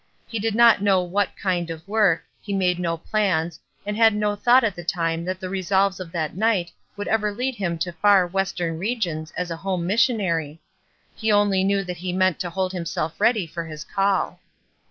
He did not know what kind of work, he made no plans, and had no thought at the time that the resolves of that night would ever lead him to far western regions as a home missionary; he only knew that he meant to hold himself ready for his call.